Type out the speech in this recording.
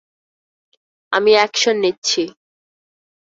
আমি অ্যাকশন নিচ্ছি।